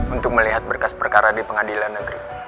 untuk melihat berkas perkara di pengadilan negeri